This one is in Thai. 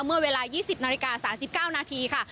เมื่อเวลา๒๐นาฬิกา๓๙นาทีค่ะ